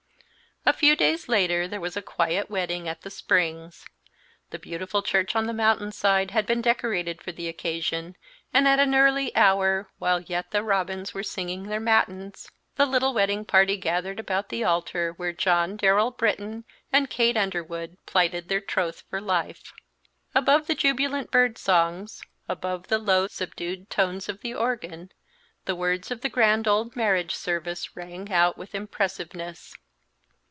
A few days later there was a quiet wedding at the Springs. The beautiful church on the mountain side had been decorated for the occasion, and at an early hour, while yet the robins were singing their matins, the little wedding party gathered about the altar where John Darrell Britton and Kate Underwood plighted their troth for life. Above the jubilant bird songs, above the low, subdued tones of the organ, the words of the grand old marriage service rang out with impressiveness.